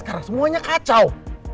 sekarang semuanya kacau